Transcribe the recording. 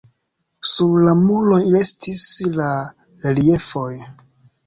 Sur la muroj restis la reliefoj.